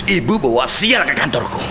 ibu bawa siapa